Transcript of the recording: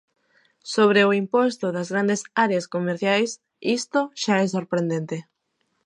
Sobre o imposto das grandes áreas comerciais, isto xa é sorprendente.